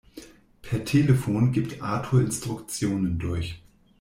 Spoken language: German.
Per Telefon gibt Arthur Instruktionen durch.